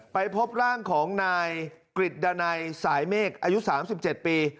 ไปพบร่างของนายกริจดานัยสายเมฆอายุ๓๗ปี